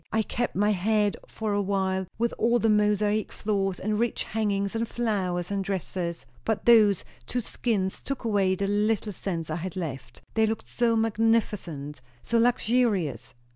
I kept my head for a while, with all the mosaic floors and rich hangings and flowers and dresses, but those two skins took away the little sense I had left. They looked so magnificent! so luxurious."